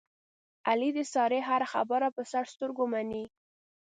علي د سارې هره خبره په سر سترګو مني.